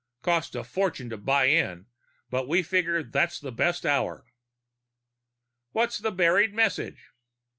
Cost a fortune to buy in, but we figured that's the best hour." "What's the buried message?"